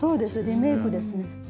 リメイクです。